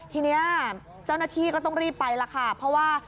ทีนี้เจ้าหน้าที่ก็ต้องรีบไปแล้วค่ะเพราะว่า